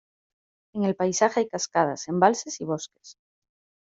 En el paisaje hay cascadas, embalses y bosques.